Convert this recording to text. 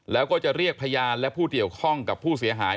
แล้วก็จะเรียกพยานและผู้เกี่ยวข้องกับผู้เสียหาย